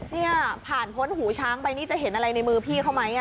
เนี่ยผ่านพ้นหูช้างไปนี่จะเห็นอะไรในมือพี่เขาไหม